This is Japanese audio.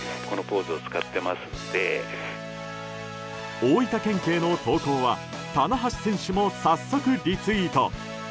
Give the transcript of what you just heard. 大分県警の投稿は棚橋選手も早速リツイート。